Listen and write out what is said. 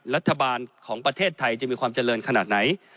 รัฐบาลของประเทศไทยจะมีความเจริญขนาดไหน